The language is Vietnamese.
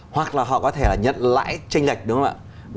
hoặc là họ có thể là nhận lãi tranh lệch đúng không ạ